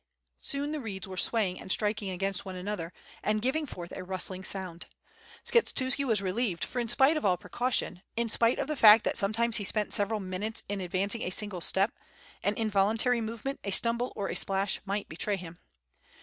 Soon the reeds Arere swaying and striking against one another, and giving forth a rustling sound. Skshetuski was relieved, for in spite of all precaution, in spite of the fact that sometimes he spent several minutes in ad vancing a single step, an involuntary movement, a stumble, or a splash might betray him.